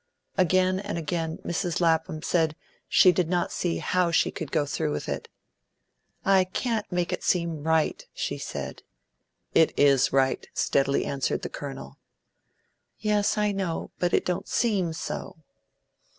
Again and again Mrs. Lapham said she did not see how she could go through it. "I can't make it seem right," she said. "It IS right," steadily answered the Colonel. "Yes, I know. But it don't SEEM so."